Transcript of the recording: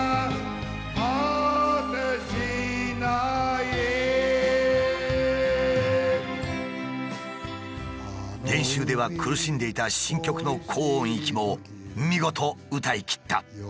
「果てしない」練習では苦しんでいた新曲の高音域も見事歌いきった。